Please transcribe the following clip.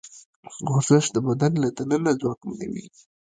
ورزش د بدن له دننه ځواکمنوي.